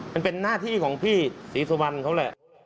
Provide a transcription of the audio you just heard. มันเป็นหน้าที่ของพี่ศรีสุวรรณเขาแหละ